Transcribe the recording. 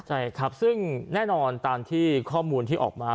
ใช่ครับซึ่งแน่นอนตามที่ข้อมูลที่ออกมา